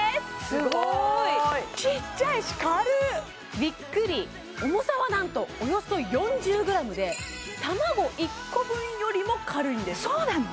すごいびっくり重さはなんとおよそ４０ｇで卵１個分よりも軽いんですそうなの？